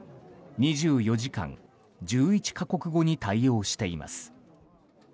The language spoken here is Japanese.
２４時間１１か国語に対応しています。